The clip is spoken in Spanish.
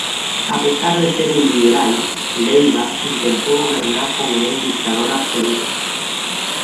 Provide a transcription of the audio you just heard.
A pesar de ser un liberal, Leiva intentó gobernar como un dictador absoluto.